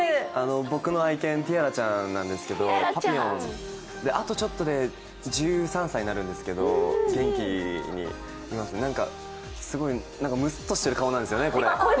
僕の愛犬、ティアラちゃんなんですけど、パピヨンで、あとちょっとで１３歳になるんですけど、元気に、なんかすごいなんかむすっとしてる顔なんですよね。